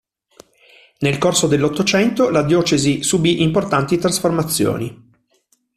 Nel corso dell'Ottocento, la diocesi subì importanti trasformazioni.